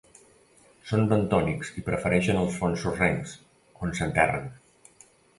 Són bentònics i prefereixen els fons sorrencs, on s'enterren.